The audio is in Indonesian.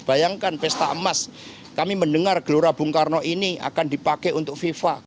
bayangkan pesta emas kami mendengar gelora bung karno ini akan dipakai untuk fifa